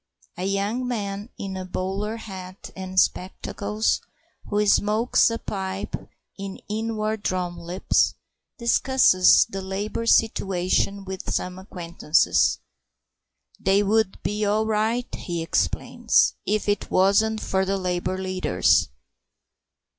A young man in a bowler hat and spectacles, who smokes a pipe in inward drawn lips, discusses the Labour situation with some acquaintances. "They would be all right," he explains, "if it wasn't for the Labour leaders.